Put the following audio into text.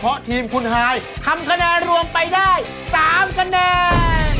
เพราะทีมคุณฮายทำคะแนนรวมไปได้๓คะแนน